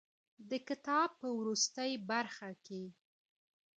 د کتاب په وروستۍ برخه کې.